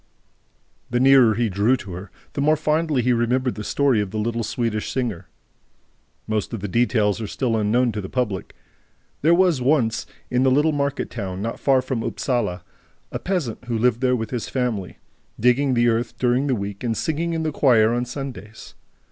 The nearer he drew to her, the more fondly he remembered the story of the little Swedish singer. Most of the details are still unknown to the public. There was once, in a little market town not far from Upsala, a peasant who lived there with his family, digging the earth during the week and singing in the choir on Sundays.